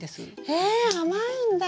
え甘いんだ。